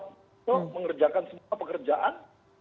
itu mengerjakan semua pekerjaan